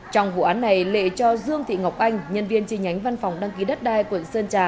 trong vụ án này lệ cho dương thị ngọc anh nhân viên chi nhánh văn phòng đăng ký đất đai quận sơn trà